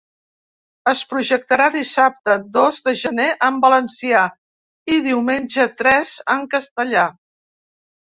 Es projectarà dissabte dos de gener en valencià i diumenge tres en castellà.